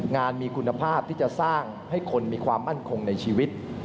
งานมีคุณภาพที่จะสร้างให้คนมีความมั่นคงในชีวิต